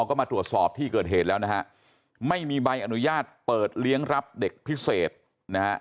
ก็มาตรวจสอบที่เกิดเหตุแล้วนะฮะไม่มีใบอนุญาตเปิดเลี้ยงรับเด็กพิเศษนะฮะ